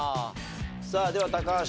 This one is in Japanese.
さあでは高橋。